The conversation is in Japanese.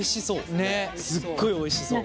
すっごいおいしそう。